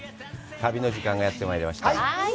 旅の時間がやってまいりました。